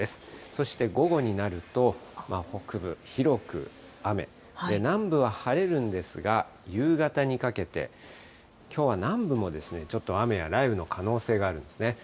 そして、午後になると、北部、広く雨、南部は晴れるんですが、夕方にかけて、きょうは南部もですね、ちょっと雨や雷雨の可能性があるんですね。